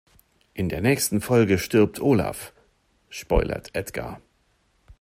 In der nächsten Folge stirbt Olaf, spoilert Edgar.